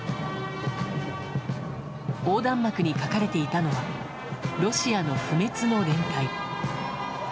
横断幕に書かれていたのはロシアの不滅の連隊。